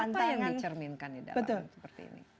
apa yang dicerminkan di dalam seperti ini